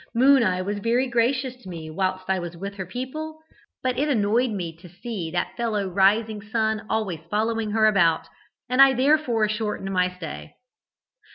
Moon eye was very gracious to me whilst I was with her people, but it annoyed me to see that fellow 'Rising Sun' always following her about, and I therefore shortened my stay.